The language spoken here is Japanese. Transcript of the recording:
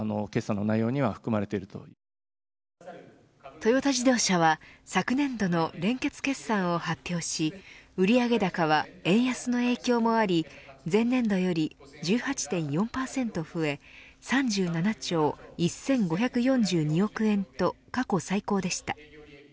トヨタ自動車は昨年度の連結決算を発表し売上高は円安の影響もあり前年度より１８．４％増え３７兆１５４２億円と過去最高でした。